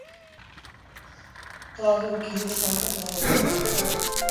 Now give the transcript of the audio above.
تآزو کير تآݩڪت وآرو اهي۔